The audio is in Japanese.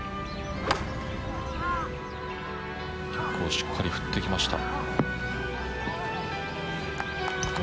しっかり振ってきました。